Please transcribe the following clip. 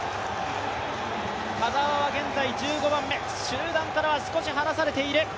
田澤は現在１５番目集団からは少し離されている。